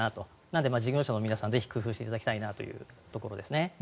なので、事業者の皆さんぜひ工夫していただきたいなというところですね。